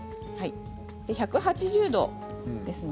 １８０度ですね。